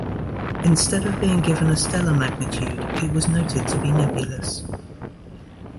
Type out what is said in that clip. Instead of being given a stellar magnitude, it was noted to be nebulous.